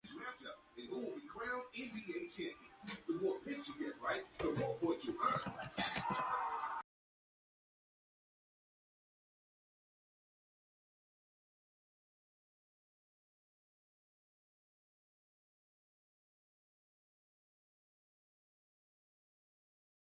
Одоо үед хүмүүс машиндаа авч явахгүй юм гэж байхгүй болжээ.